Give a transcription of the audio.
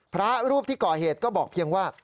พระรูปที่ก่อเหตุก็บอกเพียงว่า